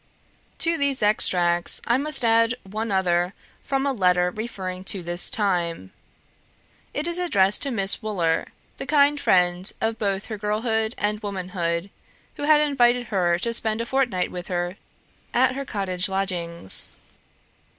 To these extracts I must add one other from a letter referring to this time. It is addressed to Miss Wooler, the kind friend of both her girlhood and womanhood, who had invited her to spend a fortnight with her at her cottage lodgings.